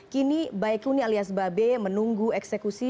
kini baikuni alias babe menunggu eksekusi